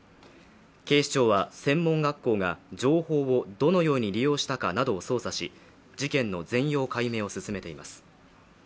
警視庁は、専門学校が情報をどのように利用したかなどを捜査し事件の全容解明を進めています。